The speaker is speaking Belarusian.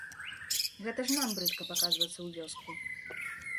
Гэта ж нам брыдка паказвацца ў вёску.